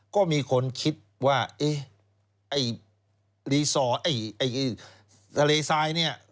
ก็มีคนคิดว่าทะเลทรายเนี่ย